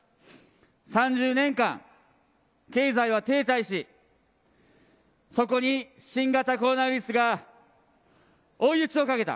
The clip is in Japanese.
３０年間経済は停滞し、そこに新型コロナウイルスが追い打ちをかけた。